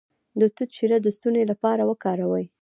د توت شیره د ستوني لپاره وکاروئ